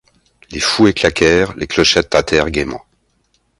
Les fouets claquèrent, les clochettes tintèrent gaiement.